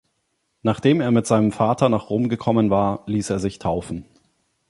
Nachdem er mit seinem Vater nach Rom gekommen war, ließ er sich taufen.